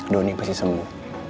doni pasti sembuh